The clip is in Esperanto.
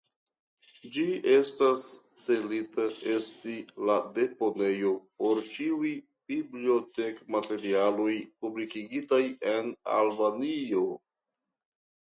Ĝi estas celita esti la deponejo por ĉiuj bibliotekmaterialoj publikigitaj en Albanio.